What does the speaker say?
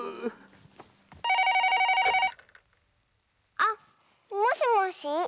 ☎あっもしもし